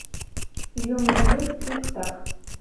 Юмын йӱр — иктак.